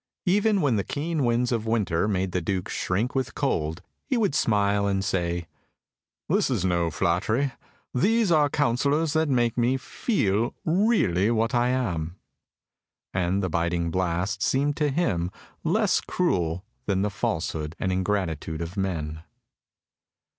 Even when the keen winds of winter made the Duke shrink with cold, he would smile and say: "This is no flattery; these are counsellors that make me feel really what I am;" and the biting blast seemed to him less cruel than the falsehood and ingratitude of men.